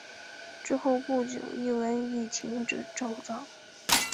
之后不久一文亦停止铸造。